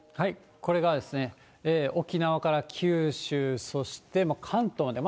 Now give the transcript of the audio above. これが沖縄から九州そして関東まで。